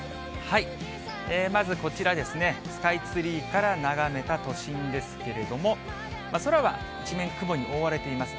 まずこちらですね、スカイツリーから眺めた都心ですけれども、空は一面、雲に覆われています。